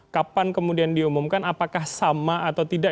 kapan kemudian diumumkan apakah sama atau tidak